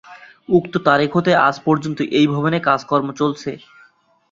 উক্ত তারিখ হতে আজ পর্যন্ত এই ভবনে কাজকর্ম চলছে।